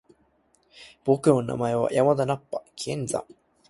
僕の名前は山田ナッパ！気円斬！